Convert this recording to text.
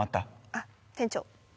あっ店長